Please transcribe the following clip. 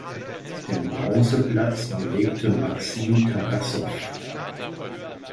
Den Bronzeplatz belegte Maxim Tarassow.